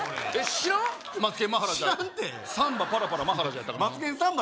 知らんてサンバパラパラマハラジャやったかな「マツケンサンバ」